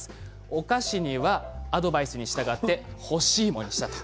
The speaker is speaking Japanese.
お菓子にはアドバイスに従って干しいもにしたと。